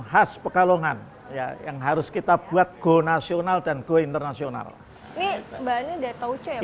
khas pekalongan yang harus kita buat gue nasional dan gue internasional ini bahannya dari tauco ya pak